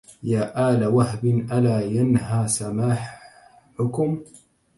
يا آل وهب ألا ينهى سماحكم